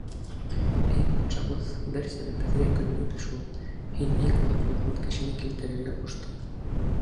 — Эй батшабыҙ, бер сәбәпһеҙгә көлмәйбеҙ шул. һин иң аҙаҡ яҙған кешене килтерергә ҡуштың.